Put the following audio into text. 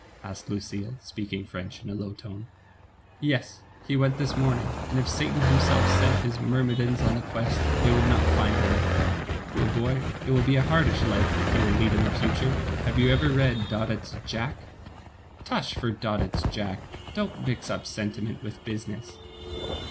asked Lucille, speaking French in a low tone. "Yes, he went this morning, and if Satan him self sent his myrmidons on the quest, they would Digitized by Google 220 THE FATE OF FENELLA, not find htm. Poor boy, it will be a hardish life that he will lead in the future. Have you ever read Daudet's 'Jack'?" "Tush for Daudet's 'Jack!' Don't mix up senti ment with business."